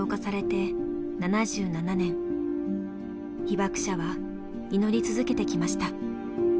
被爆者は祈り続けてきました。